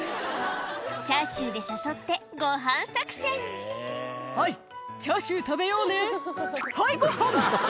チャーシューで誘ってご飯作戦「はいチャーシュー食べようねはいご飯！」